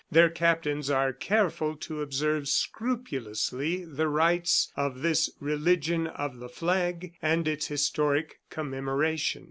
Their captains are careful to observe scrupulously the rites of this religion of the flag and its historic commemoration.